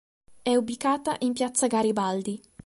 È ubicata in piazza Garibaldi.